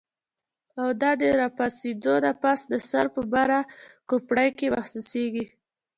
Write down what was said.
او دا د راپاسېدو نه پس د سر پۀ بره کوپړۍ کې محسوسيږي